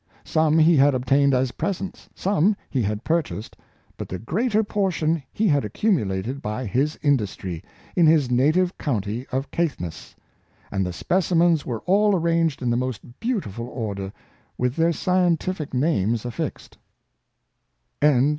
Some he had obtained as presents, some he had purchased, but the greater portion he had accumulated by his industry, in his native county of Caithness; and the specimens were all arranged in the most beautiful order, with their scientific names aflSxed."